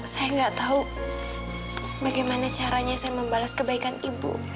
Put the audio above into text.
saya nggak tahu bagaimana caranya saya membalas kebaikan ibu